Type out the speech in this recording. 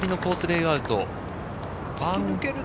レイアウト。